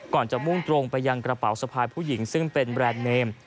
จะมุ่งตรงไปยังกระเป๋าสะพายผู้หญิงซึ่งเป็นแบรนด์เนม